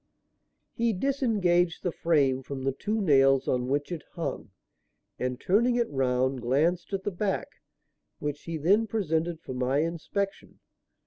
He disengaged the frame from the two nails on which it hung, and, turning it round, glanced at the back; which he then presented for my inspection.